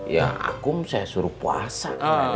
ya aku saya suruh puasa